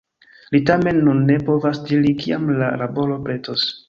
Li tamen nun ne povas diri, kiam la laboro pretos.